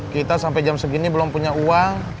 kita sampai jam segini belum punya uang